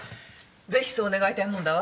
是非そう願いたいもんだわ。